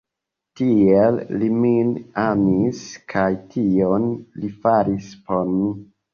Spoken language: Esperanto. Tiel li min amis kaj tion li faris por mi.